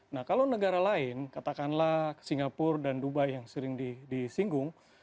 nah kalau negara lain katakanlah singapura dan dubai yang sering disinggung